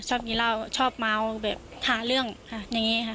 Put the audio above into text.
ชอบกินเหล้าชอบเมาแบบหาเรื่องอย่างนี้ค่ะ